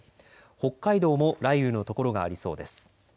北海道も雷雨の所がありそうです。